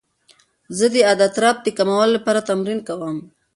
زه د اضطراب د کمولو لپاره تمرین کوم.